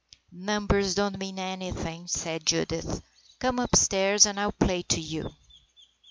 "Numbers don't mean anything," said Judith. " Come upstairs and I'll play to you."